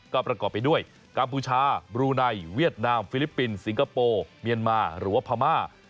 ก็ประกอบไปด้วยกาบูชาบลูนัยเวียตนามฟิลิปปินส์ซิงคโปร์เมียนมาร์หรือว่าพามาร์